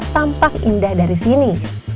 tampak indah dari sini